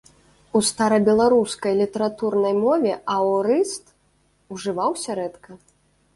У старабеларускай літаратурнай мове аорыст ужываўся рэдка.